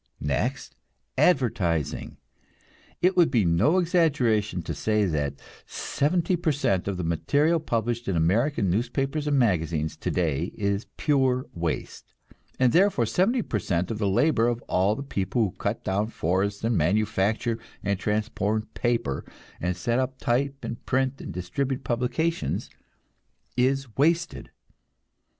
Next, advertising. It would be no exaggeration to say that seventy per cent of the material published in American newspapers and magazines today is pure waste; and therefore seventy per cent of the labor of all the people who cut down forests and manufacture and transport paper and set up type and print and distribute publications is wasted.